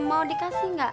mau dikasih enggak